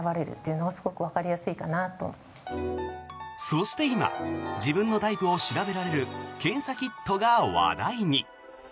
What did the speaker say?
そして今自分のタイプを調べられる検査キットが話題に。